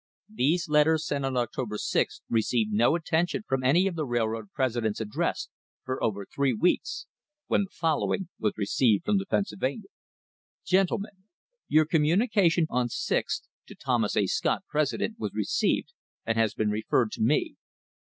These letters sent on October 6 received no attention from any of the railroad presidents addressed for over three weeks, when the following was received from the Pennsylvania : Gentlemen: — Your communication of the 6th inst., to Thomas A. Scott, president, was received, and has been referred to me.